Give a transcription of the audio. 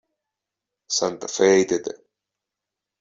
Santa Fe y Tte.